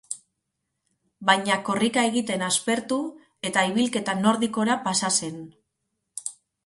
Baina korrika egiten aspertu eta ibilketa nordikora pasa zen.